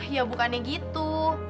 ya bukannya gitu